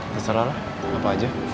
percela lah apa aja